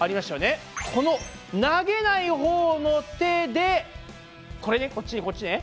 この投げないほうの手でこれねこっちねこっちね。